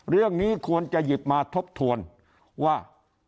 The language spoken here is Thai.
เรื่องนี้ควรจะหยิบมาทบทวนว่า